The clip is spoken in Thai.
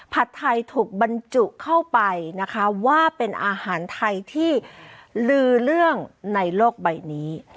ผัดไทยถูกบรรจุเข้าไปนะคะว่าเป็นอาหารไทยที่ลือเรื่องในโลกใบนี้